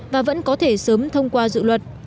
và vẫn có thể sớm thông qua dự luật